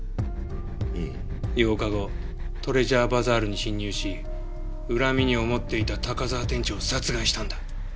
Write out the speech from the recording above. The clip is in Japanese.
いい？８日後トレジャーバザールに侵入し恨みに思っていた高沢店長を殺害したんだ。